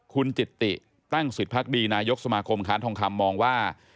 คุณจิตติตั้งสิทธิพักดีนายกสมาคมค้านทองคำมองว่า